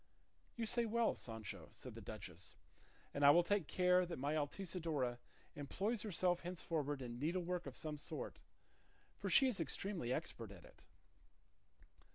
"You say well, Sancho," said the duchess, "and I will take care that my Altisidora employs herself henceforward in needlework of some sort; for she is extremely expert at it."